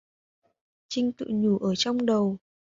Trinh tự nhủ ở trong đầu